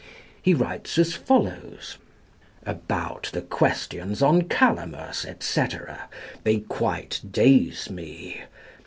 He writes as follows: "About the questions on 'Calamus,' &c., they quite daze me.